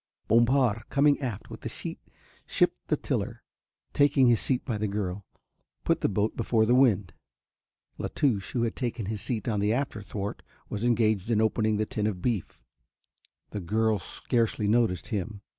Bompard coming aft with the sheet shipped the tiller, and, taking his seat by the girl, put the boat before the wind. La Touche, who had taken his seat on the after thwart, was engaged in opening the tin of beef. The girl scarcely noticed him.